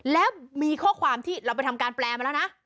แล้วมีข้อความที่เราไปทำการแปลมาแล้วนะ